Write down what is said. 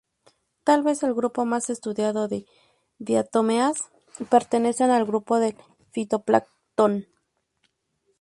Tal vez el grupo más estudiado de diatomeas pertenecen al grupo del fitoplancton.